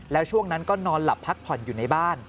แล้วช่วงนั้นก็นอนหลับพักผ่อนอยู่ในบ้าน